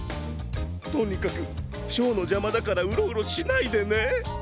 とにかくショーのじゃまだからウロウロしないでね！